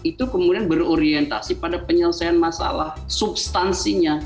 itu kemudian berorientasi pada penyelesaian masalah substansinya